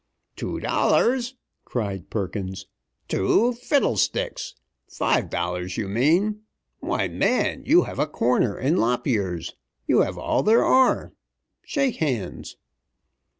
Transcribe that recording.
"Two dollars!" cried Perkins. "Two fiddlesticks! Five dollars, you mean! Why, man, you have a corner in lop ears. You have all there are. Shake hands!"